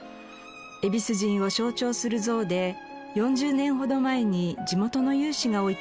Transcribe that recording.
恵比寿神を象徴する像で４０年ほど前に地元の有志が置いたそうです。